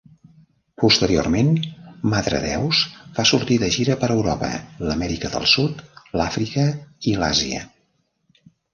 Posteriorment, Madredeus va sortir de gira per Europa, l'Amèrica del Sud, l'Àfrica i l'Àsia.